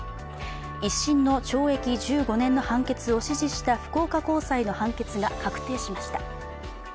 １審の懲役１５年の判決を支持した福岡高裁の判決が確定しました。